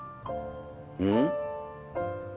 うん？